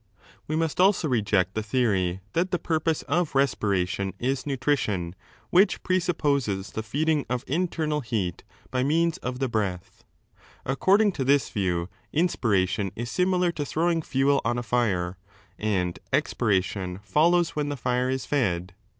We must also reject the theory that the purpose of respiration is nutrition, which presupposes the feeding of internal heat bj means of the breath. According to this view, inspiration is similar to throwing fiiel on a 2 fire, and expiration follows when the fire is fed.